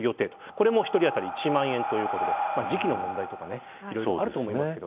これも１人当たり１万円ということで時期の問題とかいろいろあると思います。